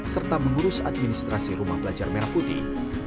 serta mengurus administrasi rumah belajar merah putih